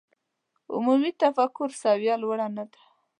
عمومي تفکر سویه لوړه نه ده.